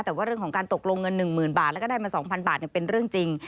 แต่ว่าเรื่องของการตกลงเงิน๑๐๐๐บาทแล้วก็ได้มา๒๐๐บาทเป็นเรื่องจริง